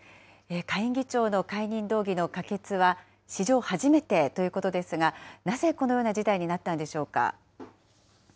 下院議長の解任動議の可決は、史上初めてということですが、なぜこのような事態になったんでしょうか。